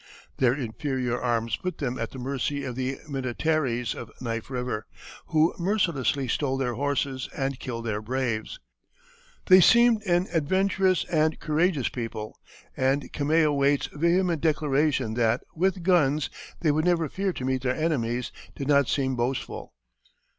Their inferior arms put them at the mercy of the Minnetarees of Knife River, who mercilessly stole their horses and killed their braves. They seemed an adventurous and courageous people, and Cameahwait's vehement declaration that, with guns, they would never fear to meet their enemies, did not seem boastful.